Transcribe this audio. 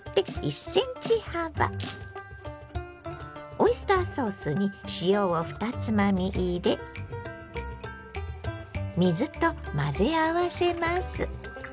オイスターソースに塩を２つまみ入れ水と混ぜ合わせます。